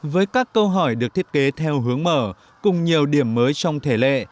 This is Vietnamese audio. với các câu hỏi được thiết kế theo hướng mở cùng nhiều điểm mới trong thể lệ